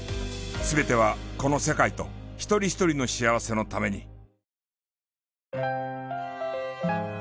全てはこの世界と一人一人の幸せのために。